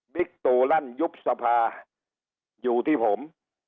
ตู่ลั่นยุบสภาอยู่ที่ผม